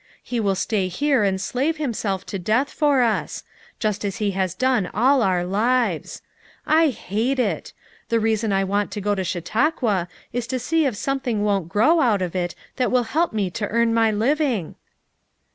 He will stay here and slave himself to death for us; just as lie has done all our lives. I hate it! The reason I want to go to Chautauqua is to see if something won't grow out of it that will help me to earn my living."